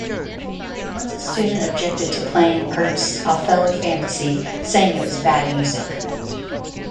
Once a student objected to playing Ernst's "Othello Fantasy", saying it was bad music.